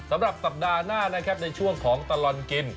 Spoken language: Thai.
สำหรับสัปดาห์หน้านะครับในช่วงของตลอดกิน